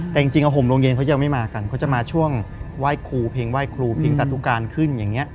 แต่จริงห่มโรงเย็นเขายังไม่มากันเขาจะมาช่วงไหว้ครูเพลงไหว้ครูเพลงจัตุการขึ้นอย่างนี้